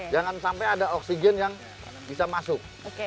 jangan sampai ada oksigen yang bisa masuk